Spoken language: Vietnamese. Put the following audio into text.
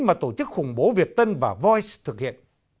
mà tổ chức khủng bố việt tân và voice đã tạo ra